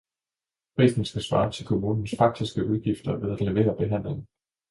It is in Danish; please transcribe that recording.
Prisen skal svare til kommunens faktiske udgifter ved at levere behandlingen